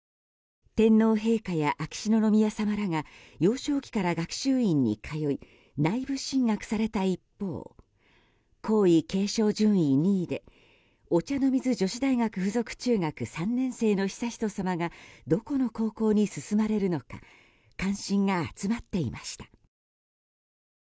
天皇陛下や秋篠宮さまらが幼少期から学習院に通い内部進学された一方皇位継承順位２位でお茶の水女子大学附属中学３年生の悠仁さまがどこの高校に進まれるのか関心が集まっていました。